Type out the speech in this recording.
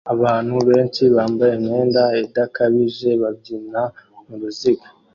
Abantu benshi bambaye imyenda idakabije babyina muruziga